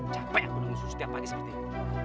cepat aku nunggu susu tiap pagi seperti ini